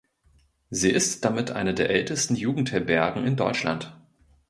Sie ist damit eine der ältesten Jugendherbergen in Deutschland.